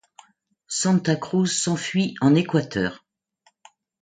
Santa Cruz s'enfuit en Équateur.